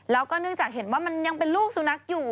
แล้วก็เนื่องจากเห็นว่ามันยังเป็นลูกสุนัขอยู่